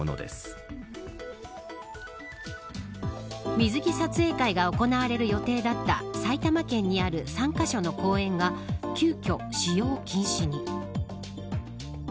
水着撮影会が行われる予定だった埼玉県にある３カ所の公園が急きょ使用禁止に。